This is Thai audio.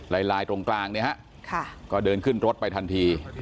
ลายลายตรงกลางเนี่ยฮะก็เดินขึ้นรถไปทันที